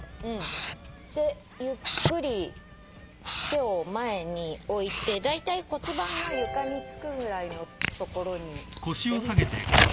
ゆっくり手を前に置いてだいたい骨盤が床につくぐらいのところにしてみて。